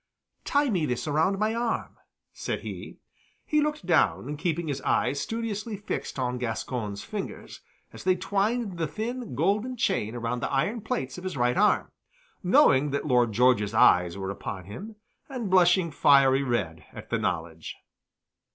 "Tie me this around my arm," said he. He looked down, keeping his eyes studiously fixed on Gascoyne's fingers, as they twined the thin golden chain around the iron plates of his right arm, knowing that Lord George's eyes were upon him, and blushing fiery red at the knowledge.